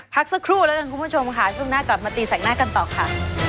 พักสักครู่แล้วกันคุณผู้ชมค่ะช่วงหน้ากลับมาตีแสงหน้ากันต่อค่ะ